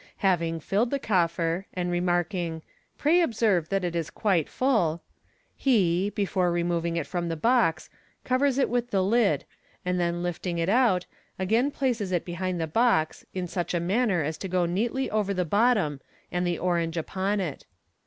Having filled the coffer, and remark ing, " Pray observe that it is quite full," he (before removing it from the box) covers it with the lid, and then lifting it out, again places it behind the box in such manner as to go neatly over the bottom and the orange upon it.